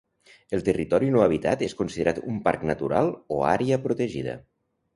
El territori no habitat és considerat un parc natural o àrea protegida.